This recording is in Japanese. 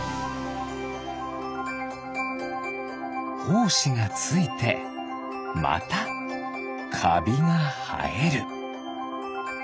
ほうしがついてまたかびがはえる。